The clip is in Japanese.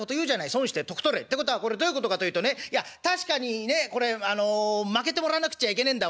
『損して得取れ』。ってことはこれどういうことかというとねいや確かにねこれまけてもらわなくっちゃいけねえんだ